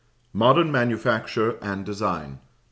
MODERN MANUFACTURE AND DESIGN.